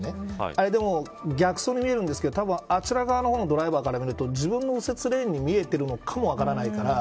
あれでも逆走に見えるんですけど多分あちら側のドライバーから見ると自分の右折レーンに見えてるのかも分からないから。